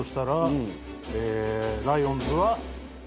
ライオンズは。